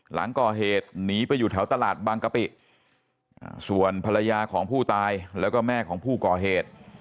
หลังก่อเหตุหนีไปอยู่แถวตลาดบางกะปิส่วนภรรยาของผู้ตายแล้วก็แม่ของผู้ก่อเหตุ